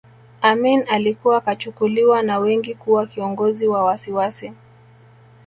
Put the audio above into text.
Amin alikuwa kachukuliwa na wengi kuwa kiongozi wa wasiwasi